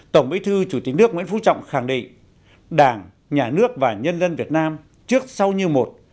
tổng bí thư chủ tịch nước nguyễn phú trọng khẳng định đảng nhà nước và nhân dân việt nam trước sau như một